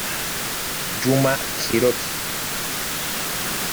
Yuma Hiroki